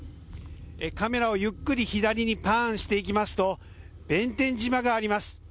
カメラをゆっくり左にパーンしていきますと弁天島があります。